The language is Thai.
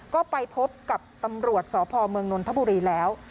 ก็ไปพบกับตำรวจสพเมืองนนทบุรีแล้ว